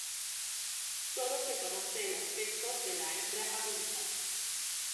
Solo se conoce el aspecto de la hembra adulta.